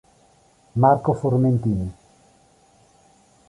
Marco Formentini